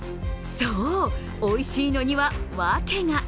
そう、おいしいのには訳が。